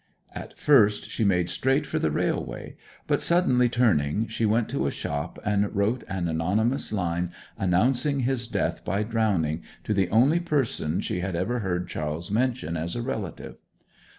At first she made straight for the railway; but suddenly turning she went to a shop and wrote an anonymous line announcing his death by drowning to the only person she had ever heard Charles mention as a relative.